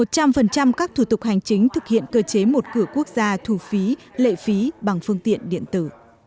một trăm linh các thủ tục hành chính thực hiện cơ chế một cửa quốc gia thu phí lệ phí bằng phương tiện điện tử